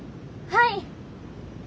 はい。